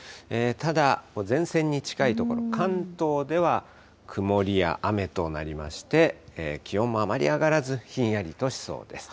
ただ、前線に近い所、関東では曇りや雨となりまして、気温もあまり上がらず、ひんやりとしそうです。